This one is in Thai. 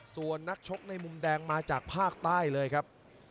ส่วนนักชกในมุมแดงมาจากภาคใต้เลยครับ